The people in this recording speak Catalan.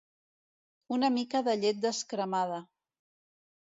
Una mica de llet descremada.